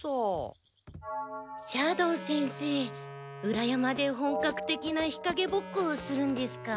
裏山で本格的な日陰ぼっこをするんですか？